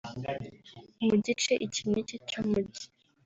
mu gice iki n’iki cy’umujyi